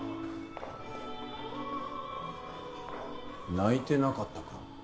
泣いてなかったか？